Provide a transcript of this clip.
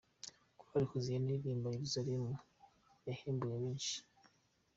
Korali Hoziana iririmba "Yerusalemu" yahembuye benshi.